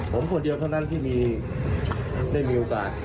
ผมคนเดียวเท่านั้นที่ได้มีโอกาส